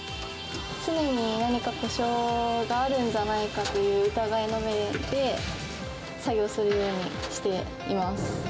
常に何か故障があるんじゃないかという疑いの目で作業するようにしています。